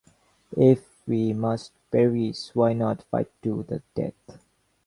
If we must perish, why not fight to the death?